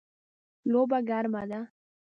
لوبه ګرمه ده